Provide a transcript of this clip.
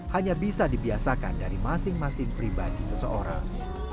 hanya bisa dibiasakan dari masing masing pribadi seseorang